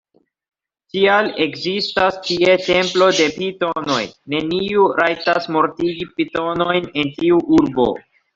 Tial ekzistas tie templo de pitonoj; neniu rajtas mortigi pitonojn en tiu urbo.